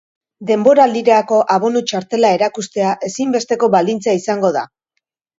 Denboraldiko abonu txartela erakustea ezinbesteko baldintza izango da.